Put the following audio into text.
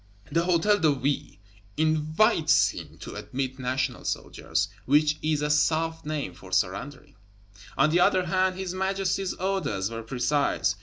The Hôtel de Ville "invites" him to admit National Soldiers, which is a soft name for surrendering. On the other hand, his Majesty's orders were precise.